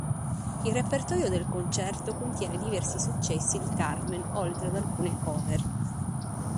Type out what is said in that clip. Il repertorio del concerto contiene diversi successi di Carmen oltre ad alcune cover.